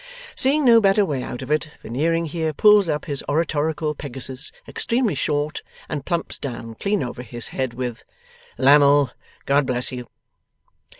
Seeing no better way out of it, Veneering here pulls up his oratorical Pegasus extremely short, and plumps down, clean over his head, with: 'Lammle, God bless you!